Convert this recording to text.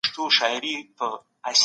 ښه ذهنیت ډار نه خپروي.